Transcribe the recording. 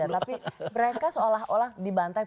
ya tapi mereka seolah olah dibantai